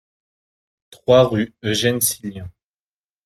trois rue Eugène Sillien